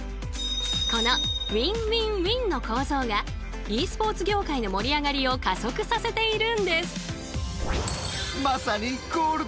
この「ＷＩＮ−ＷＩＮ−ＷＩＮ」の構造がｅスポーツ業界の盛り上がりを加速させているんです。